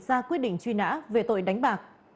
ra quyết định truy nã về tội đánh bạc